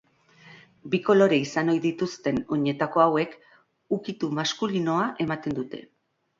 Bi kolore izan ohi dituzten oinetako hauek, ukitu maskulinoa ematen dute.